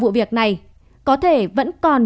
vụ việc này có thể vẫn còn